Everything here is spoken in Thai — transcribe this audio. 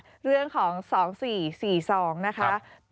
ค่ะเรื่องของสองสี่สี่สองนะคะ